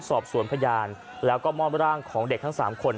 สอบสวนพยานแล้วก็มอบร่างของเด็กทั้ง๓คน